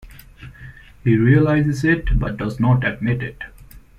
He realizes it but doesn't admit it.